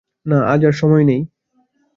না, আজ আর সময় নেই।